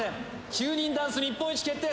９人ダンス日本一決定